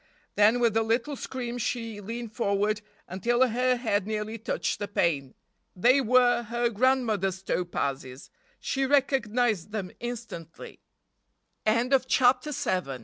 Then with a little scream she leaned forward until her head nearly touched the pane. They were her grandmother's topazes—she recognized them instantly. CHAPTER VIII. THE FIRST N